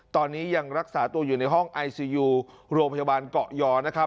ตอนนี้ยังรักษาตัวอยู่ในห้องไอซียูโรงพยาบาลเกาะยอนะครับ